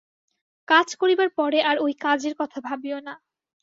কাজ করিবার পরে আর ঐ কাজের কথা ভাবিও না।